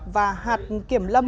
và hạt kiểm lâm